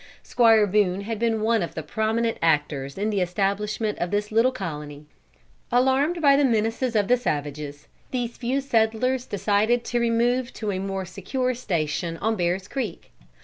Squire Boone had been one of the prominent actors in the establishment of this little colony. Alarmed by the menaces of the savages, these few settlers decided to remove to a more secure station on Bear's Creek.